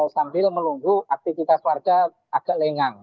sambil menunggu aktivitas warga agak lengang